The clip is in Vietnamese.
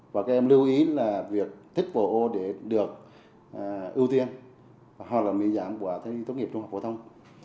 và các em lưu ý là việc thích bỏ ô để được ưu tiên hoặc là miễn giảm của thi tốt nghiệp trung học phổ thông